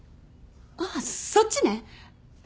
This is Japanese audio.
ああそっちね。